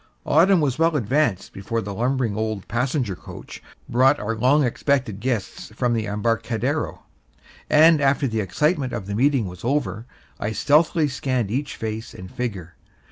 Autumn was well advanced before the lumbering old passenger coach brought our long expected guests from the embarcadero, and after the excitement of the meeting was over, I stealthily scanned each face and figure.